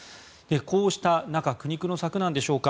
こうした中苦肉の策なんでしょうか。